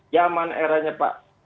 zaman eranya pak